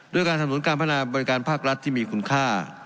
ด้วยการสำนุนการพัฒนาบริการภาครัฐที่มีคุณค่า